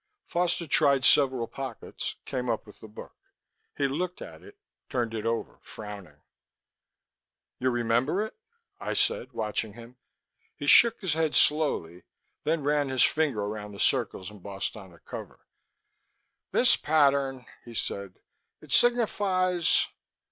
Foster tried several pockets, came up with the book. He looked at it, turned it over, frowning. "You remember it?" I said, watching him. He shook his head slowly, then ran his finger around the circles embossed on the cover. "This pattern," he said. "It signifies...."